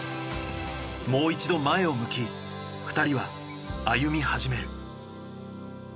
もう一度前を向き２人は歩み始める。